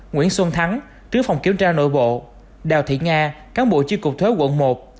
nguyễn xuân thắng trướng phòng kiểm tra nội bộ đào thị nga cán bộ chiếc cục thuế quận một